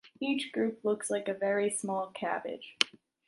Each group looks like a very small cabbage.